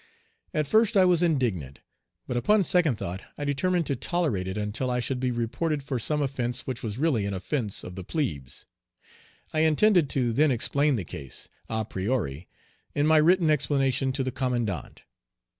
At first I was indignant, but upon second thought I determined to tolerate it until I should be reported for some offence which was really an offence of the plebes. I intended to then explain the case, à priori, in my written explanation to the commandant.